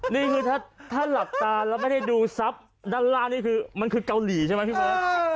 นี่คือถ้าหลับตาแล้วไม่ได้ดูทรัพย์ด้านล่างนี่คือมันคือเกาหลีใช่ไหมพี่เบิร์ต